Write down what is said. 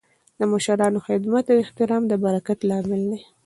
د مشرانو خدمت او احترام د برکت لامل دی.